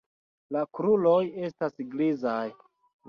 La kruroj estas grizaj.